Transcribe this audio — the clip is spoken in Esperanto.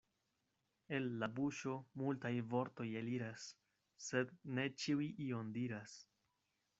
El la buŝo multaj vortoj eliras, sed ne ĉiuj ion diras.